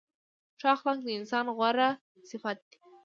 ښه اخلاق د انسان غوره صفت دی.